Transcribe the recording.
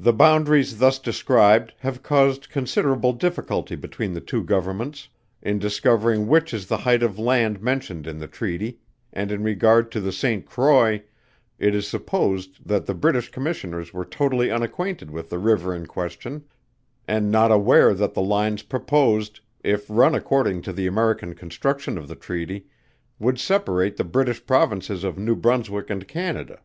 The boundaries thus described, have caused considerable difficulty between the two Governments, in discovering which is the height of land mentioned in the treaty; and in regard to the St. Croix, it is supposed that the British Commissioners were totally unacquainted with the river in question, and not aware that the lines proposed, if run according to the American construction of the treaty, would separate the British Provinces of New Brunswick and Canada.